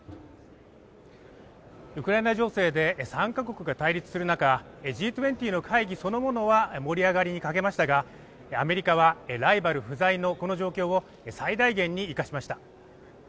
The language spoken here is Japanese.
ウクライナ情勢で参加国が対立する中、Ｇ２０の会議そのものは盛り上がりに欠けましたが、アメリカはライバル不在のこの状況を最大限に生かしました。